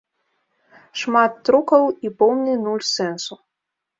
Шмат трукаў і поўны нуль сэнсу.